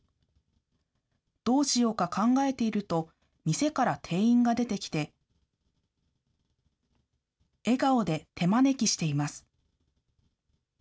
どうしようか考えていると、店から店員が出てきて、笑顔で手招きしています。